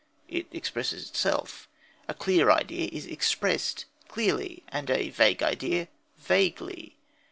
It expresses itself. A clear idea is expressed clearly, and a vague idea vaguely.